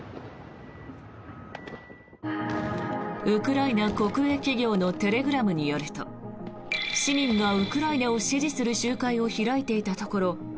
ウクライナ国営企業のテレグラムによると市民がウクライナを支持する集会を開いていたところ